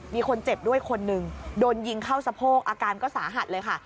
มีคนเจ็บด้วยคนหนึ่งโดนยิงเข้าสะโพกอาการก็สาหัสเลยค่ะ